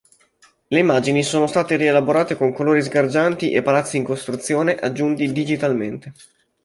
Le immagini sono state rielaborate con colori sgargianti e palazzi in costruzione aggiunti digitalmente.